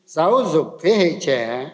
giáo dục thế hệ trẻ